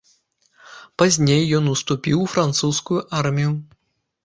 Пазней ён уступіў у французскую армію.